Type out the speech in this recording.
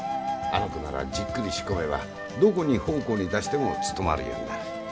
あの子ならじっくり仕込めばどこに奉公に出してもつとまるようになる。